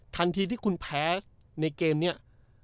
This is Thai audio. ทันทีที่คุณแพ้ในเกมนี้